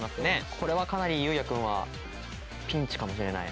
これはかなり雄也くんはピンチかもしれない。